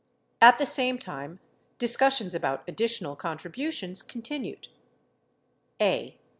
At the same time discussions about additional contributions continued. a.